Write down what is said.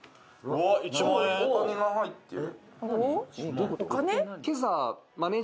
・お金が入ってる。